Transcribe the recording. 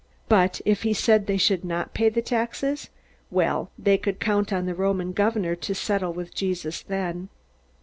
But if he said they should not pay the taxes well, they could count on the Roman governor to settle with Jesus then.